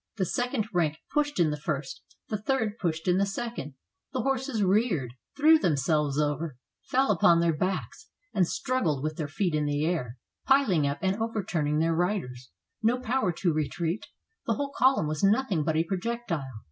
The second rank pushed in the first, the third pushed in the second, the horses reared, threw themselves over, fell upon their backs and struggled with their feet in the air, piling up and overturning their riders, no power to retreat; the whole column was nothing but a projectile.